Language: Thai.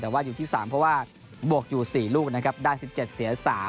แต่ว่าอยู่ที่๓เพราะว่าบวกอยู่๔ลูกนะครับได้๑๗เสีย๓